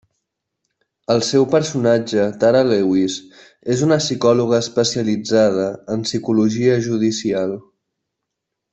El seu personatge Tara Lewis, és una psicòloga especialitzada en psicologia judicial.